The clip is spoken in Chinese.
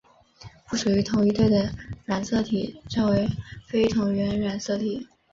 不属于同一对的染色体称为非同源染色体。